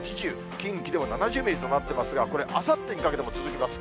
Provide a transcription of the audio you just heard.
８０、近畿でも７０ミリとなってますが、これ、あさってにかけても続きます。